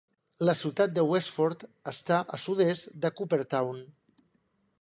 La ciutat de Westford està a sud-est de Cooperstown.